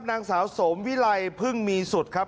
ครับนางศาโสมวิไลย์พึ่งมีสุดครับ